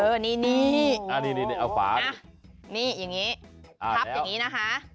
เออนี่นี่นี่เนาะฝาปรับอย่างนี้นะคะ